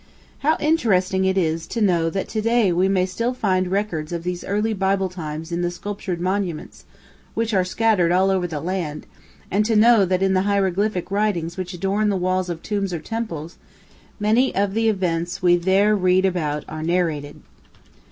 How interesting it is to know that to day we may still find records of these early Bible times in the sculptured monuments which are scattered all over the land, and to know that in the hieroglyphic writings which adorn the walls of tombs or temples many of the events we there read about are narrated.